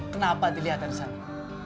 kenapa dilihat dari sana